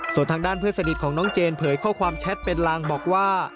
ส่วนทางด้านเพื่อนสนิทของน้องเจนเผยข้อความแชทเป็นลางบอกว่า